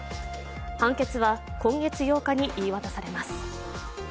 判決は今月８日に言い渡されます。